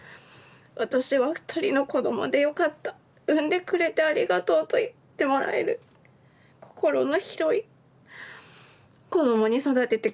私は二人の子供で良かった生んでくれてありがとうと言ってもらえる心の広い子供に育てて下さいね